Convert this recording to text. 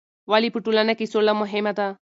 ولې په ټولنه کې سوله مهمه ده؟